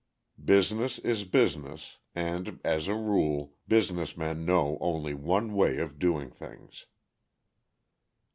Business is business; and, as a rule, business men know only one way of doing things.